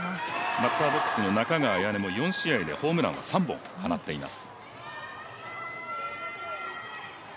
バッターボックスの中川彩音も４試合で３本放っています。